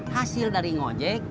hasil dari ngojek